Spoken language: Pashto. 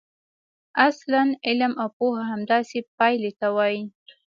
اصلاً علم او پوهه همداسې پایلې ته وايي.